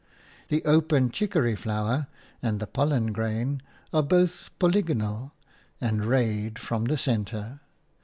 The open chicory flower and the pollen grain are both polygonal and rayed from the centre.